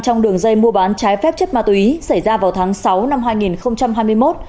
trong đường dây mua bán trái phép chất ma túy xảy ra vào tháng sáu năm hai nghìn hai mươi một